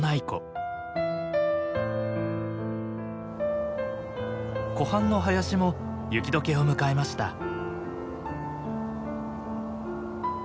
湖畔の林も雪解けを迎えました。